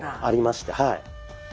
ありましてはい。